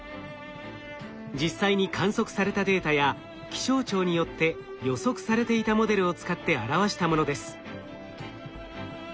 実際に観測されたデータや気象庁によって予測されていたモデルを使って表したものです。